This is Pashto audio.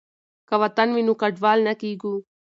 که وطن وي نو کډوال نه کیږو.